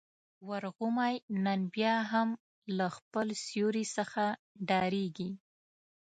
ورغومی نن بيا هم له خپل سیوري څخه ډارېږي.